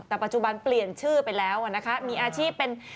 แต่ปัจจุบันเปลี่ยนชื่อไปแล้วนะคะมีอาชีพเป็น